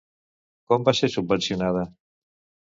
Com va ser subvencionada?